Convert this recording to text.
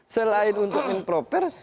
selain untuk improper